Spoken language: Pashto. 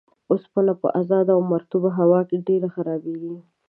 اوسپنه په ازاده او مرطوبه هوا کې ډیر خرابیږي.